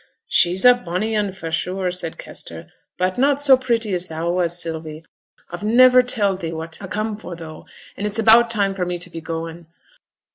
'She's a bonny un, for sure,' said Kester; 'but not so pretty as thou was, Sylvie. A've niver tell'd thee what a come for tho', and it's about time for me t' be goin'.